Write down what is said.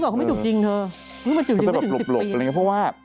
เพราะมันจูบจริงก็ถึง๑๐ปีเขาบอกแบบหลบอะไรอย่างนี้เพราะว่า